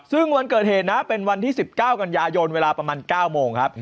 ซึ่งวันเกิดเหตุนะเป็นวันที่๑๙กันยายนเวลาประมาณ๙โมงครับ